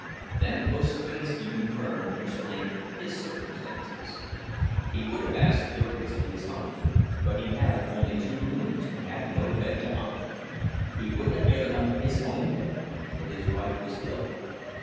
Then Ostrinski in turn explained his circumstances. He would have asked Jurgis to his home—but he had only two rooms, and had no bed to offer. He would have given up his own bed, but his wife was ill.